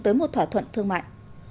tới một thỏa thuận thương mại